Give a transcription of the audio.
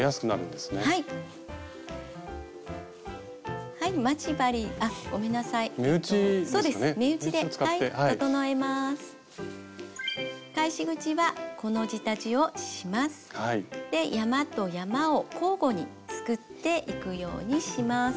で山と山を交互にすくっていくようにします。